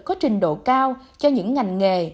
có trình độ cao cho những ngành nghề